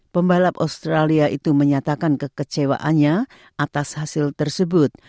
pembalap australia itu menyatakan kekecewaannya atas hasil tersebut